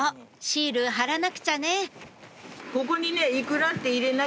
シール貼らなくちゃね